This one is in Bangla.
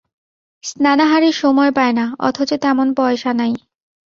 স্নানাহারের সময় পায় না, অথচ তেমন পয়সা নাই।